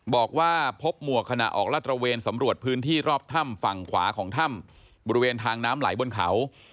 บอกว่าพบหมวกขณะออกลาดตระเวนสำรวจพื้นที่รอบถ้ำฝั่งขวาของถ้ำบริเวณทางน้ำไหลบนเขา